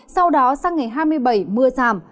sau đó sang ngày hai mươi bảy mưa giảm